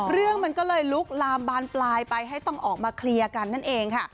เรื่องมันก็เลยลุกลามบานปลายไปให้ต้องออกมาเคลียร์กันนั่นเองค่ะ